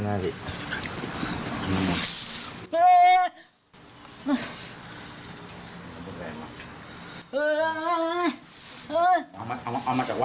อาจารย์เลยน่ะ